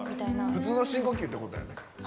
普通の深呼吸ってことやね。